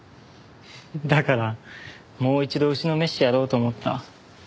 だからもう一度打ちのめしてやろうと思った。